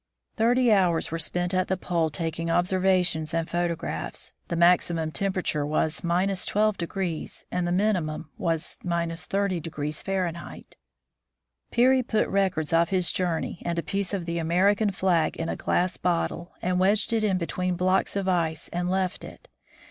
Thirty hours were spent at the Pole taking observations and photographs. The maximum temperature was — 12° and the minimum was — 30 Fahrenheit. Peary put records of his journey and a piece of the American flag in a glass bottle, and wedged it in between blocks of ice and left it.